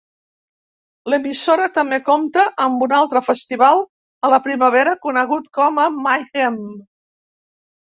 L'emissora també compta amb un altre festival a la primavera conegut com a Mayhem.